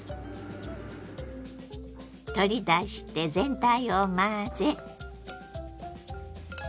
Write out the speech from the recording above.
取り出して全体を混ぜ。